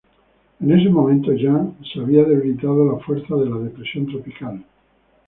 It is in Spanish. En ese momento, Jeanne se había debilitado a la fuerza de la depresión tropical.